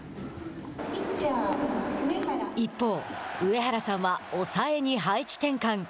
一方、上原さんは抑えに配置転換。